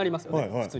普通に。